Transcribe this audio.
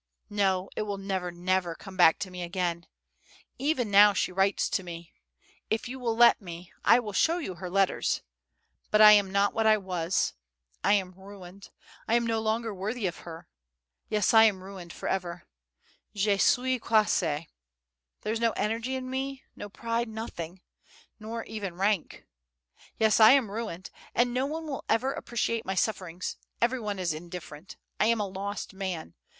... No, it will never, never come back to me again! Even now she writes to me: if you will let me, I will show you her letters. But I am not what I was; I am ruined; I am no longer worthy of her. ... Yes, I am ruined for ever. Je suis casse. There's no energy in me, no pride, nothing nor even any rank. ... [Footnote: Blagorodstva, noble birth, nobility.] Yes, I am ruined; and no one will ever appreciate my sufferings. Every one is indifferent. I am a lost man.